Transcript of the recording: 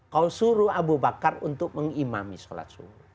kau suruh abu bakar untuk mengimami sholat subuh